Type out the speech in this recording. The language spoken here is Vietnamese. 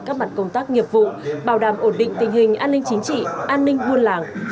các mặt công tác nghiệp vụ bảo đảm ổn định tình hình an ninh chính trị an ninh buôn làng